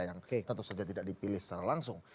yang tentu saja tidak dipilih secara langsung